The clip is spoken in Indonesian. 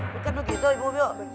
bukan begitu ibu